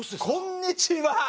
こんにちは。